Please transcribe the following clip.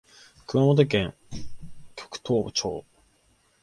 熊本県玉東町